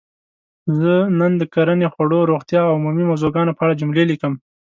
زه نن د کرنې ؛ خوړو؛ روغتیااو عمومي موضوع ګانو په اړه جملې لیکم.